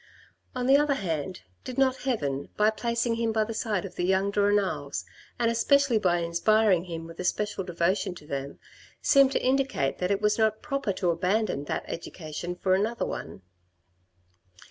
On the other hand, did not Heaven, by placing him by the side of the young de Renals, and especially by inspiring him with a special devotion to them, seem to indicate that it was not proper to abandon that education for another one.